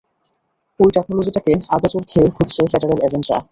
ঐ টেকনোলজিটাকে আদা-জল খেয়ে খুঁজছে ফেডারেল এজেন্টরা।